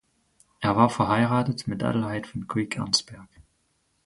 Er war verheiratet mit Adelheid von Cuyk-Arnsberg.